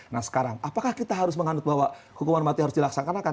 nah sekarang apakah kita harus menganut bahwa hukuman mati harus dilaksanakan